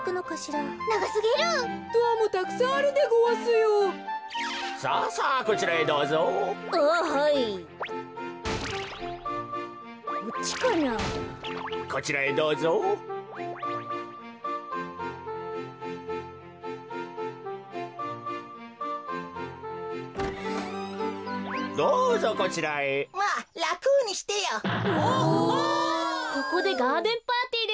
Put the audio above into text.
ここでガーデンパーティーですか。